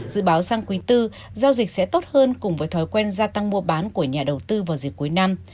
dự báo sang quý tư giao dịch sẽ tốt hơn cùng với thói quen gia tăng mua bán của nhà đầu tư vào dịp cuối năm